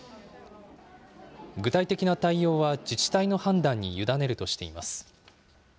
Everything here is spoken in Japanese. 具体的な対応は、自治体の判断に委ねるとしています。